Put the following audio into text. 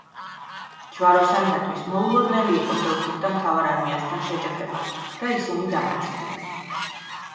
ჯვაროსანთათვის მოულოდნელი იყო სელჩუკთა მთავარ არმიასთან შეჯახება და ისინი დამარცხდნენ.